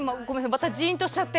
またジーンとしちゃって。